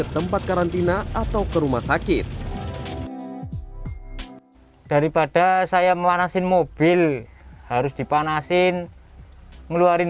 tempat karantina atau ke rumah sakit daripada saya memanasin mobil harus dipanasin ngeluarin